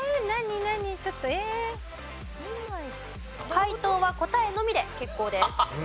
解答は答えのみで結構です。